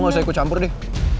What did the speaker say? lo gak usah ikut campur deh